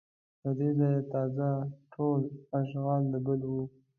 له دې ځایه تازه ټول اشغال د بل و